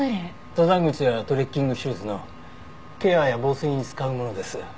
登山靴やトレッキングシューズのケアや防水に使うものです。